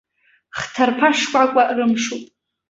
Хҭарԥа шкәакәа рымшуп.